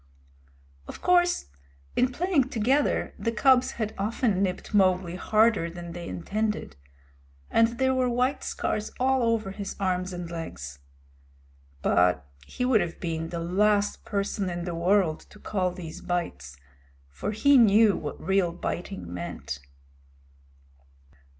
Of course, in playing together, the cubs had often nipped Mowgli harder than they intended, and there were white scars all over his arms and legs. But he would have been the last person in the world to call these bites, for he knew what real biting meant.